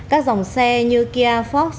các dòng xe như kia fox